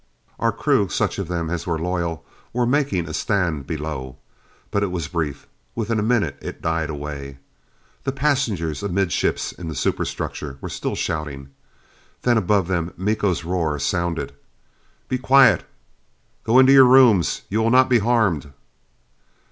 Our crew such of them as were loyal were making a stand below. But it was brief. Within a minute it died away. The passengers, amidships in the superstructure, were still shouting. Then above them Miko's roar sounded. "Be quiet! Go in your rooms you will not be harmed."